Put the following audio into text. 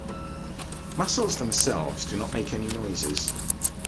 Muscles themselves do not make any noises.